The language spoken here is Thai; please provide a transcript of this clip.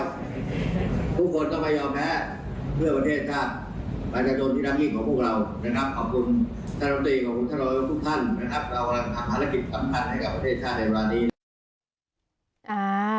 นานที่อยู่ด้านบนทหาร